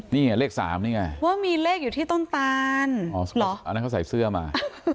นี่เหรอเลขสามนี่ไงว่ามีเลขอยู่ที่ต้นตาลอ๋อหรออันนั้นเขาใส่เสื้อมา